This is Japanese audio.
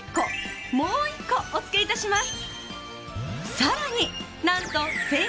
もう１個おつけいたします！